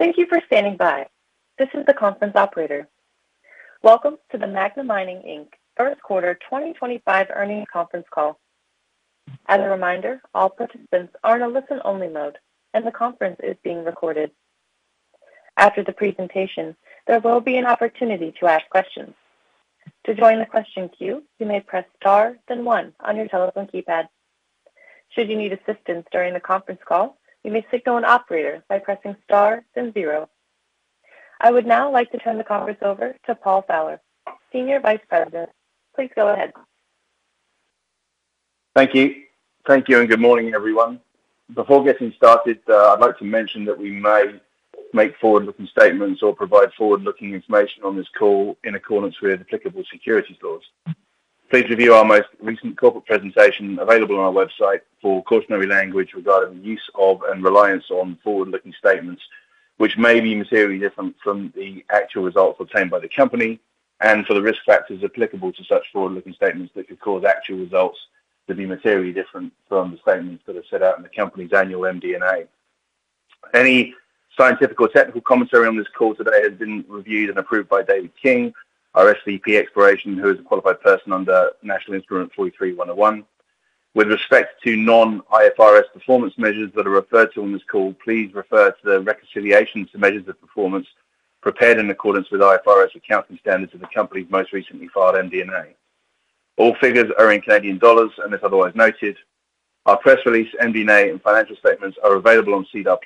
Thank you for standing by. This is the conference operator. Welcome to the Magna Mining Inc. first quarter 2025 earnings conference call. As a reminder, all participants are in a listen-only mode, and the conference is being recorded. After the presentation, there will be an opportunity to ask questions. To join the question queue, you may press star, then one, on your telephone keypad. Should you need assistance during the conference call, you may signal an operator by pressing star, then zero. I would now like to turn the conference over to Paul Fowler, Senior Vice President. Please go ahead. Thank you. Thank you, and good morning, everyone. Before getting started, I'd like to mention that we may make forward-looking statements or provide forward-looking information on this call in accordance with applicable securities laws. Please review our most recent corporate presentation available on our website for cautionary language regarding the use of and reliance on forward-looking statements, which may be materially different from the actual results obtained by the company and for the risk factors applicable to such forward-looking statements that could cause actual results to be materially different from the statements that are set out in the company's annual MD&A. Any scientific or technical commentary on this call today has been reviewed and approved by David King, our SVP Exploration, who is a qualified person under National Instrument 43-101. With respect to non-IFRS performance measures that are referred to on this call, please refer to the reconciliation to measures of performance prepared in accordance with IFRS accounting standards of the company's most recently filed MD&A. All figures are in CAD, unless otherwise noted. Our press release, MD&A, and financial statements are available on SEDAR+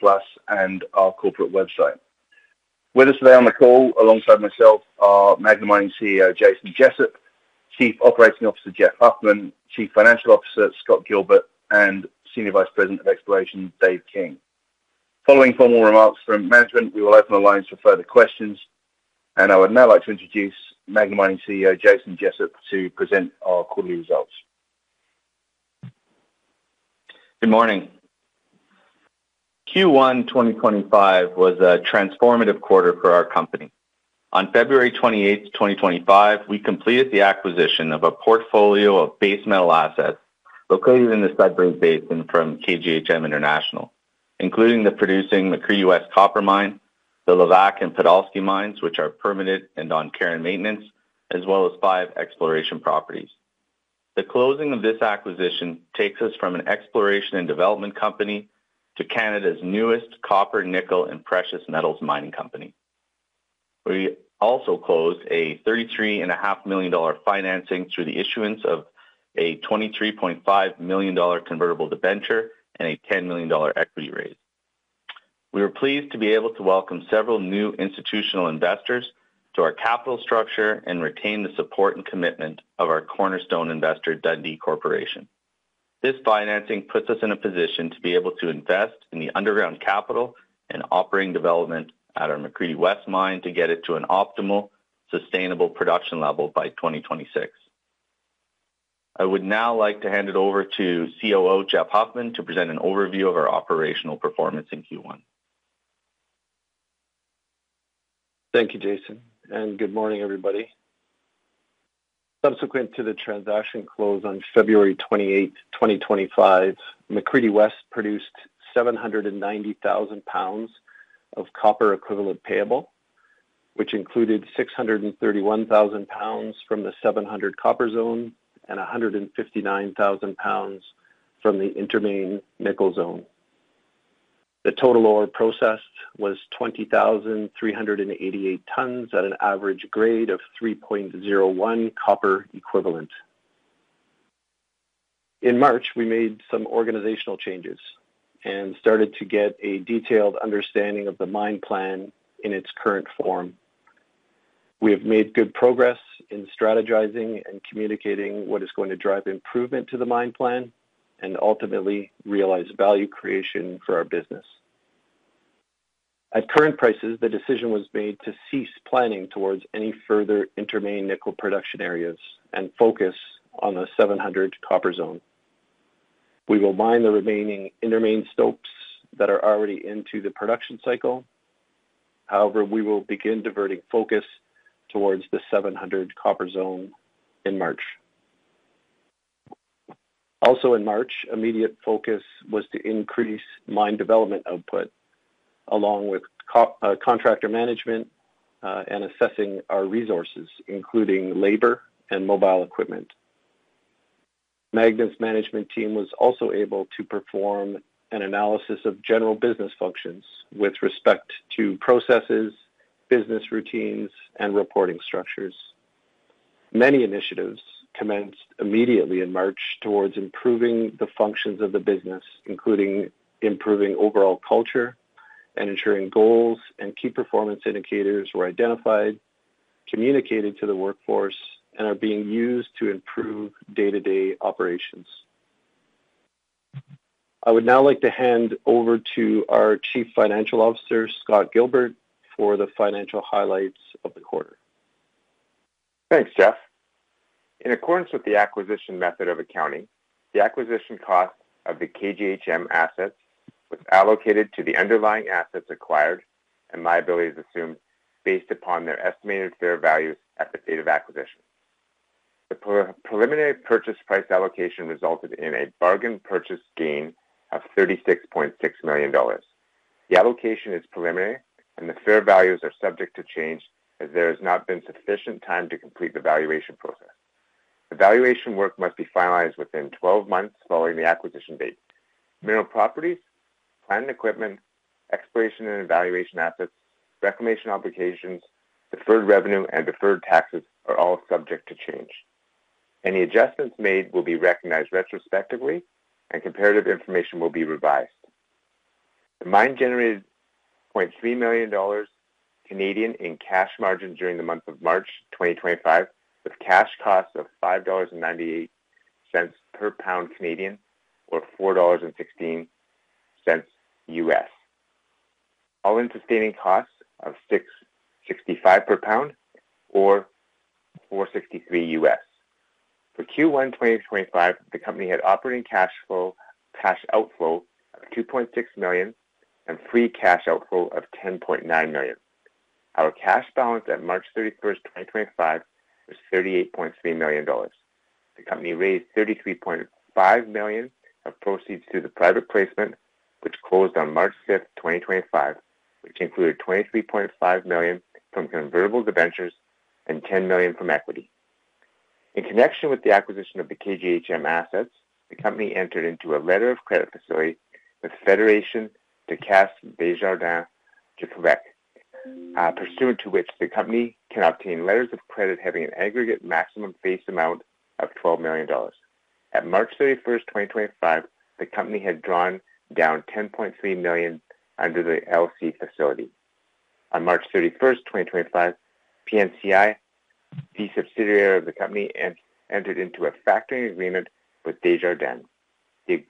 and our corporate website. With us today on the call, alongside myself, are Magna Mining CEO Jason Jessup, Chief Operating Officer Jeff Huffman, Chief Financial Officer Scott Gilbert, and Senior Vice President of Exploration Dave King. Following formal remarks from management, we will open the lines for further questions, and I would now like to introduce Magna Mining CEO Jason Jessup to present our quarterly results. Good morning. Q1 2025 was a transformative quarter for our company. On February 28th, 2025, we completed the acquisition of a portfolio of base metal assets located in the Sudbury Basin from KGHM International, including the producing McCreedy West mine Copper, the Levack and Podolsky mines, which are permitted and on care and maintenance, as well as five exploration properties. The closing of this acquisition takes us from an exploration and development company to Canada's newest copper, nickel, and precious metals mining company. We also closed a CAD 33.5 million financing through the issuance of a 23.5 million convertible debenture and a 10 million dollar equity raise. We were pleased to be able to welcome several new institutional investors to our capital structure and retain the support and commitment of our cornerstone investor, Dundee Corporation. This financing puts us in a position to be able to invest in the underground capital and operating development at our McCreedy West mine to get it to an optimal, sustainable production level by 2026. I would now like to hand it over to COO Jeff Huffman to present an overview of our operational performance in Q1. Thank you, Jason, and good morning, everybody. Subsequent to the transaction close on February 28, 2025, McCreedy West produced 790,000 lbs of copper equivalent payable, which included 631,000 lbs from the 700 copper zone and 159,000 lbs from the intermain nickel zone. The total ore processed was 20,388 tons at an average grade of 3.01 copper equivalent. In March, we made some organizational changes and started to get a detailed understanding of the mine plan in its current form. We have made good progress in strategizing and communicating what is going to drive improvement to the mine plan and ultimately realize value creation for our business. At current prices, the decision was made to cease planning towards any further intermain nickel production areas and focus on the 700 copper zone. We will mine the remaining intermain stopes that are already into the production cycle. However, we will begin diverting focus towards the 700 copper zone in March. Also, in March, immediate focus was to increase mine development output along with contractor management and assessing our resources, including labor and mobile equipment. Magna's management team was also able to perform an analysis of general business functions with respect to processes, business routines, and reporting structures. Many initiatives commenced immediately in March towards improving the functions of the business, including improving overall culture and ensuring goals and key performance indicators were identified, communicated to the workforce, and are being used to improve day-to-day operations. I would now like to hand over to our Chief Financial Officer, Scott Gilbert, for the financial highlights of the quarter. Thanks, Jeff. In accordance with the acquisition method of accounting, the acquisition cost of the KGHM assets was allocated to the underlying assets acquired and liabilities assumed based upon their estimated fair values at the date of acquisition. The preliminary purchase price allocation resulted in a bargain purchase gain of $36.6 million. The allocation is preliminary, and the fair values are subject to change as there has not been sufficient time to complete the valuation process. The valuation work must be finalized within 12 months following the acquisition date. Mineral properties, plant and equipment, exploration and evaluation assets, reclamation obligations, deferred revenue, and deferred taxes are all subject to change. Any adjustments made will be recognized retrospectively, and comparative information will be revised. The mine generated 0.3 million Canadian dollars in cash margin during the month of March 2025, with cash costs of 5.98 dollars per pound or $4.16 U.S., all in sustaining costs of 6.65 per pound or $4.63 U.S. For Q1 2025, the company had operating cash outflow of 2.6 million and free cash outflow of 10.9 million. Our cash balance at March 31, 2025, was 38.3 million dollars. The company raised 33.5 million of proceeds through the private placement, which closed on March 5th, 2025, which included 23.5 million from convertible debentures and 10 million from equity. In connection with the acquisition of the KGHM International assets, the company entered into a letter of credit facility with Fédération de Caisse Desjardins du Québec, pursuant to which the company can obtain letters of credit having an aggregate maximum face amount of 12 million dollars. At March 31st, 2025, the company had drawn down 10.3 million under the LC facility. On March 31st, 2025, PNCI, the subsidiary of the company, entered into a factoring agreement with Desjardins. The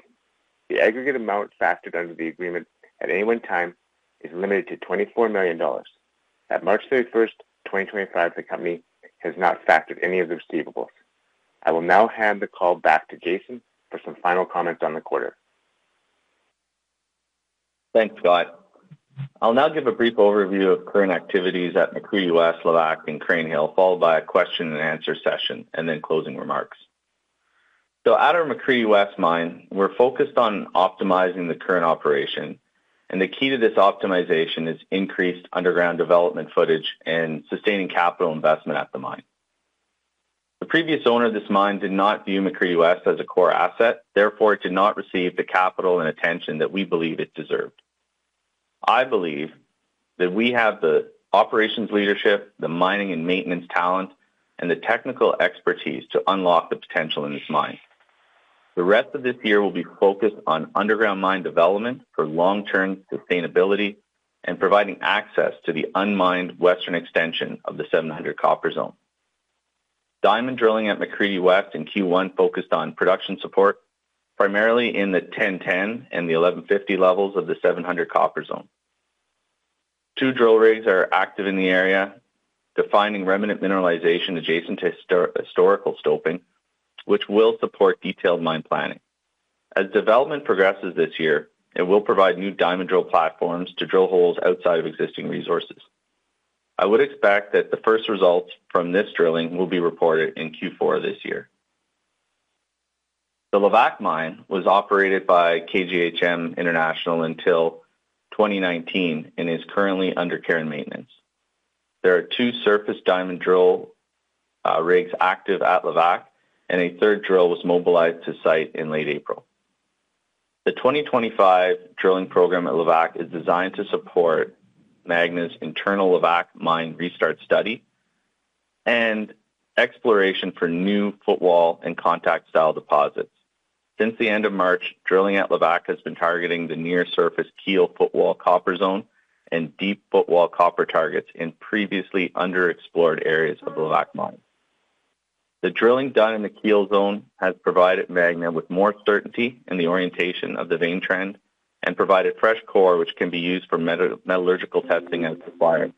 aggregate amount factored under the agreement at any one time is limited to 24 million dollars. At March 31st, 2025, the company has not factored any of the receivables. I will now hand the call back to Jason for some final comments on the quarter. Thanks, Scott. I'll now give a brief overview of current activities at McCreedy West, Levack, and Crean Hill, followed by a question-and-answer session and then closing remarks. Out of McCreedy West mine, we're focused on optimizing the current operation, and the key to this optimization is increased underground development footage and sustaining capital investment at the mine. The previous owner of this mine did not view McCreedy West as a core asset; therefore, it did not receive the capital and attention that we believe it deserved. I believe that we have the operations leadership, the mining and maintenance talent, and the technical expertise to unlock the potential in this mine. The rest of this year will be focused on underground mine development for long-term sustainability and providing access to the unmined western extension of the 700 copper zone. Diamond drilling at McCreedy West. In Q1 focused on production support, primarily in the 1010 and the 1150 levels of the 700 copper zone. Two drill rigs are active in the area, defining remnant mineralization adjacent to historical stoping, which will support detailed mine planning. As development progresses this year, it will provide new diamond drill platforms to drill holes outside of existing resources. I would expect that the first results from this drilling will be reported in Q4 this year. The Levack mine was operated by KGHM International until 2019 and is currently under care and maintenance. There are two surface diamond drill rigs active at Levack, and a third drill was mobilized to site in late April. The 2025 drilling program at Levack is designed to support Magna's internal Levack mine restart study and exploration for new footwall and contact-style deposits. Since the end of March, drilling at Levack has been targeting the near-surface keel footwall copper zone and deep footwall copper targets in previously underexplored areas of the Levack mine. The drilling done in the keel zone has provided Magna with more certainty in the orientation of the vein trend and provided fresh core, which can be used for metallurgical testing as required.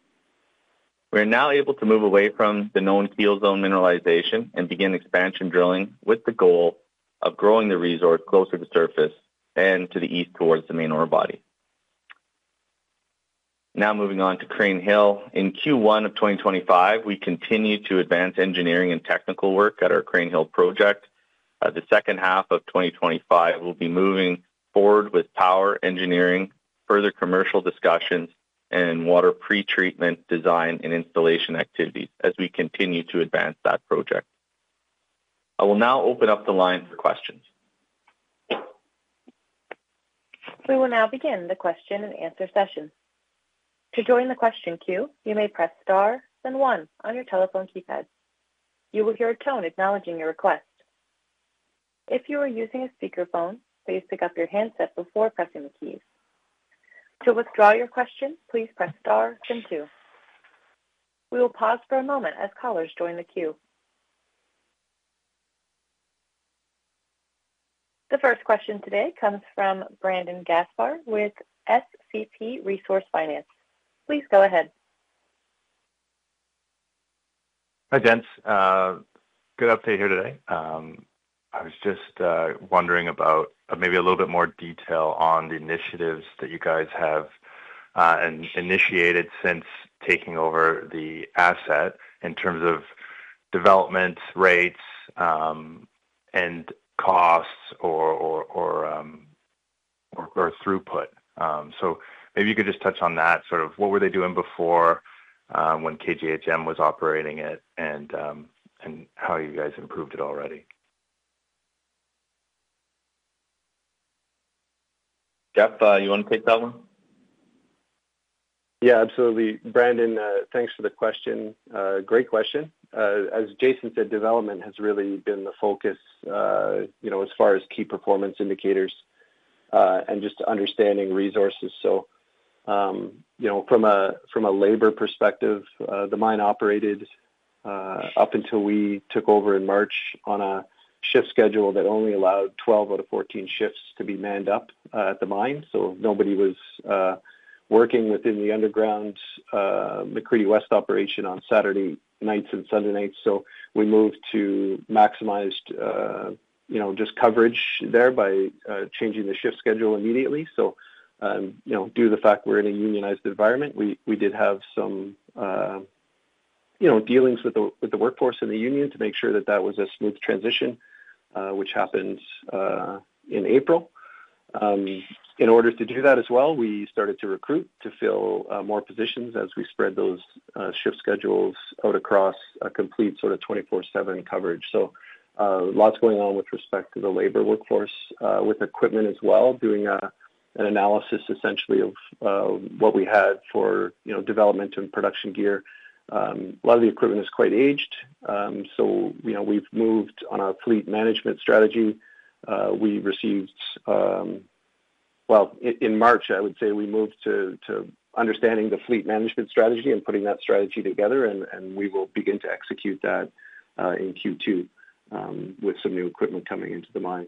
We are now able to move away from the known keel zone mineralization and begin expansion drilling with the goal of growing the resource closer to surface and to the east towards the main ore body. Now moving on to Crean Hill. In Q1 of 2025, we continue to advance engineering and technical work at our Crean Hill project. The second half of 2025 will be moving forward with power engineering, further commercial discussions, and water pretreatment design and installation activities as we continue to advance that project. I will now open up the line for questions. We will now begin the question-and-answer session. To join the question queue, you may press star then one on your telephone keypad. You will hear a tone acknowledging your request. If you are using a speakerphone, please pick up your handset before pressing the keys. To withdraw your question, please press star then two. We will pause for a moment as callers join the queue. The first question today comes from Brandon Gaspar with SCP Resource Finance. Please go ahead. Hi, Dens. Good update here today. I was just wondering about maybe a little bit more detail on the initiatives that you guys have initiated since taking over the asset in terms of development rates and costs or throughput. Maybe you could just touch on that, sort of what were they doing before when KGHM was operating it and how you guys improved it already. Jeff, you want to take that one? Yeah, absolutely. Brandon, thanks for the question. Great question. As Jason said, development has really been the focus as far as key performance indicators and just understanding resources. From a labor perspective, the mine operated up until we took over in March on a shift schedule that only allowed 12 out of 14 shifts to be manned up at the mine. Nobody was working within the underground McCreedy West operation on Saturday nights and Sunday nights. We moved to maximize just coverage there by changing the shift schedule immediately. Due to the fact we're in a unionized environment, we did have some dealings with the workforce and the union to make sure that that was a smooth transition, which happened in April. In order to do that as well, we started to recruit to fill more positions as we spread those shift schedules out across a complete sort of 24/7 coverage. Lots going on with respect to the labor workforce with equipment as well, doing an analysis essentially of what we had for development and production gear. A lot of the equipment is quite aged. We have moved on our fleet management strategy. In March, I would say we moved to understanding the fleet management strategy and putting that strategy together, and we will begin to execute that in Q2 with some new equipment coming into the mine.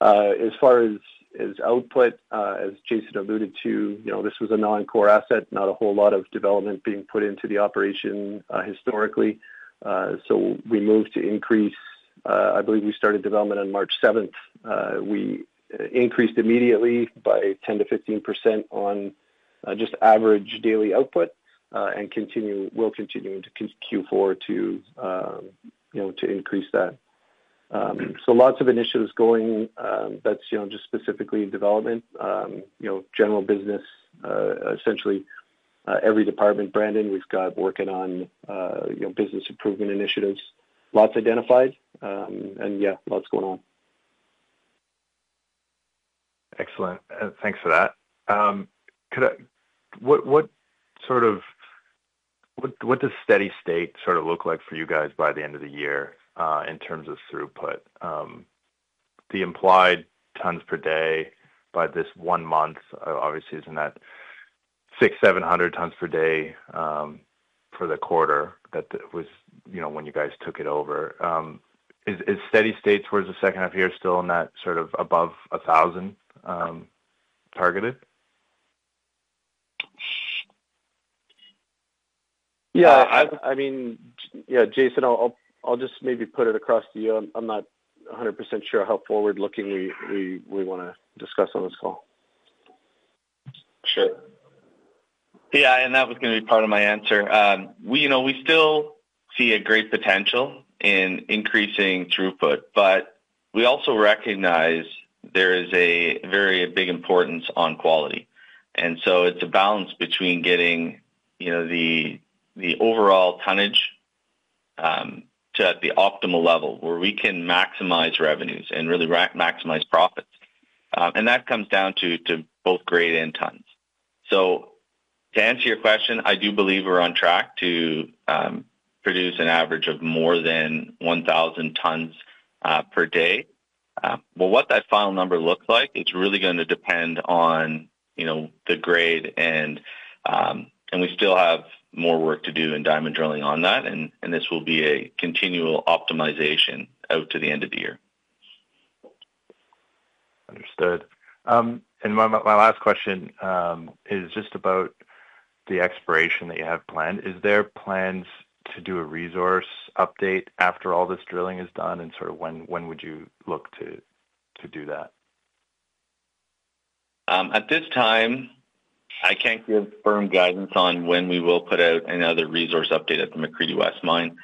As far as output, as Jason alluded to, this was a non-core asset, not a whole lot of development being put into the operation historically. We moved to increase. I believe we started development on March 7. We increased immediately by 10%-15% on just average daily output and will continue into Q4 to increase that. Lots of initiatives going, that is just specifically development, general business, essentially every department. Brandon, we have got working on business improvement initiatives, lots identified, and yeah, lots going on. Excellent. Thanks for that. What does steady state sort of look like for you guys by the end of the year in terms of throughput? The implied tons per day by this one month, obviously, is not that 600-700 tons per day for the quarter that was when you guys took it over. Is steady state towards the second half year still in that sort of above 1,000 tons targeted? Yeah. I mean, yeah, Jason, I'll just maybe put it across to you. I'm not 100% sure how forward-looking we want to discuss on this call. Sure. Yeah. That was going to be part of my answer. We still see a great potential in increasing throughput, but we also recognize there is a very big importance on quality. It is a balance between getting the overall tonnage to the optimal level where we can maximize revenues and really maximize profits. That comes down to both grade and tons. To answer your question, I do believe we are on track to produce an average of more than 1,000 tons per day. What that final number looks like is really going to depend on the grade, and we still have more work to do in diamond drilling on that, and this will be a continual optimization out to the end of the year. Understood. My last question is just about the exploration that you have planned. Is there plans to do a resource update after all this drilling is done, and sort of when would you look to do that? At this time, I can't give firm guidance on when we will put out another resource update at the McCreedy West mine.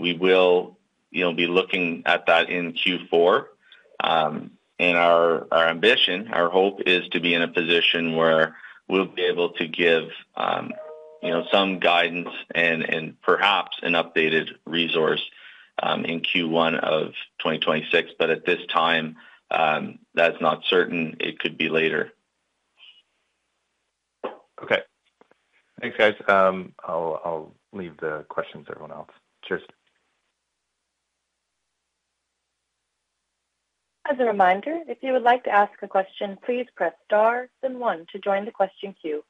We will be looking at that in Q4. Our ambition, our hope is to be in a position where we'll be able to give some guidance and perhaps an updated resource in Q1 of 2026. At this time, that's not certain. It could be later. Okay. Thanks, guys. I'll leave the questions to everyone else. Cheers. As a reminder, if you would like to ask a question, please press star then one to join the question queue.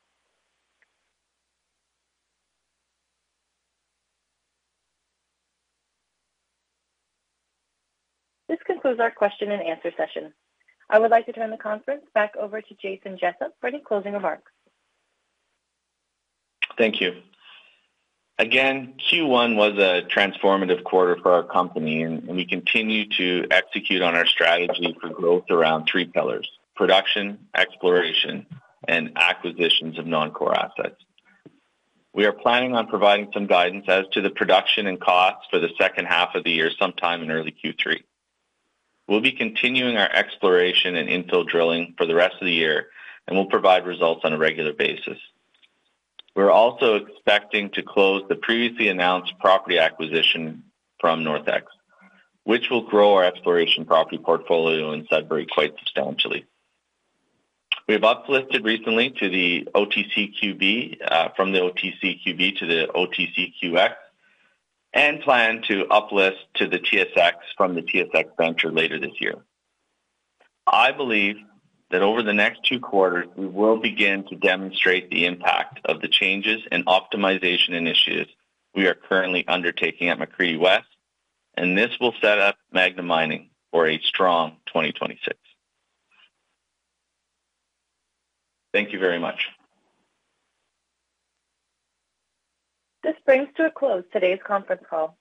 This concludes our question-and-answer session. I would like to turn the conference back over to Jason Jessup for any closing remarks. Thank you. Again, Q1 was a transformative quarter for our company, and we continue to execute on our strategy for growth around three pillars: production, exploration, and acquisitions of non-core assets. We are planning on providing some guidance as to the production and costs for the second half of the year sometime in early Q3. We'll be continuing our exploration and infill drilling for the rest of the year, and we'll provide results on a regular basis. We're also expecting to close the previously announced property acquisition from NorthX, which will grow our exploration property portfolio in Sudbury quite substantially. We have uplifted recently to the OTCQB from the OTCQB to the OTCQX and plan to uplift to the TSX from the TSX Venture later this year. I believe that over the next two quarters, we will begin to demonstrate the impact of the changes and optimization initiatives we are currently undertaking at McCreedy West, and this will set up Magna Mining for a strong 2026. Thank you very much. This brings to a close today's conference call.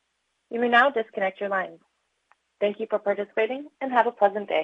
You may now disconnect your lines. Thank you for participating and have a pleasant day.